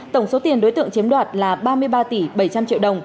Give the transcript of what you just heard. tổng số tiền đối tượng chiếm đoạt là ba mươi ba tỷ bảy trăm linh triệu đồng